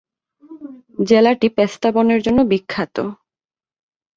জেলাটি পেস্তা বনের জন্যে বিখ্যাত।